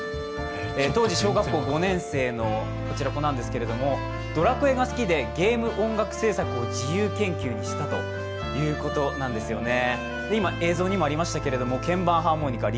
当時小学校５年生の子なんですけれども、「ドラクエ」が好きでゲーム音楽制作を自由研究にしたということなんですよね。